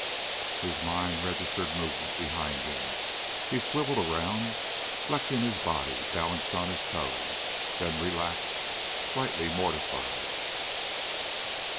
His mind registered movement behind him. He swiveled around, flexing his body, balanced on his toes, then relaxed, slightly mortified.